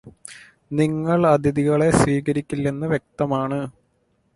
നിങ്ങള് അതിഥികളെ സ്വീകരിക്കില്ലെന്ന് വ്യക്തമാണ്